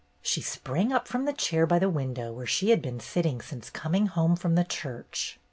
She sprang up from the chair by the window where she had been sitting since coming home from the church.